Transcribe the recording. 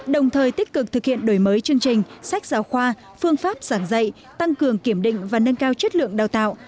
đồng thời tích cực thực hiện đổi mới chương trình sách giáo khoa phương pháp giảng dạy tăng cường kiểm định và nâng cao chất lượng đào tạo